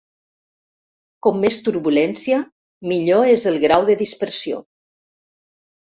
Com més turbulència, millor és el grau de dispersió.